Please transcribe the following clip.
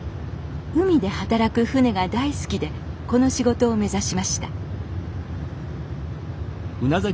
海で働く船が大好きでこの仕事を目指しました